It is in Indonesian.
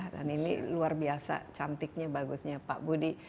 dan ini luar biasa cantiknya bagusnya pak budi